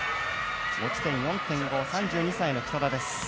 持ち点４．５３２歳の北田です。